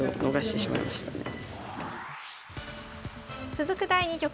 続く第２局。